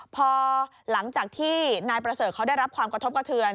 พอหลังจากที่นายประเสริฐเขาได้รับความกระทบกระเทือน